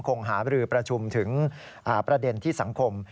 หาบรือประชุมถึงประเด็นที่สังคม